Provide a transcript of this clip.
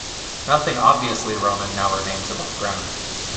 Nothing obviously Roman now remains above ground.